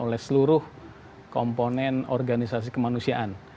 oleh seluruh komponen organisasi kemanusiaan